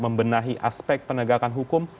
membenahi aspek penegakan hukum